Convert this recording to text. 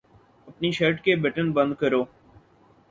اپنی شرٹ کے بٹن بند کرو